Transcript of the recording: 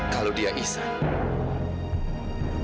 kalau dia izan